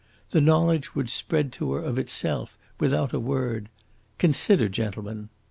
The knowledge would spread to her of itself, without a word. Consider, gentlemen!"